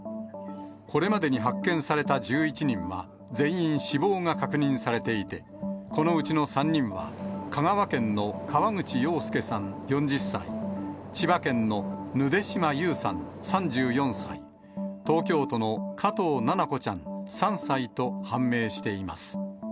これまでに発見された１１人は、全員、死亡が確認されていて、このうちの３人は、香川県の河口洋介さん４０歳、千葉県のぬで島優さん３４歳、東京都の加藤七菜子ちゃん３歳と判明しています。